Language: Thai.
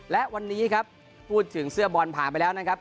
และวันนี้ครับพูดถึงเสื้อบอลผ่านไปแล้วนะครับ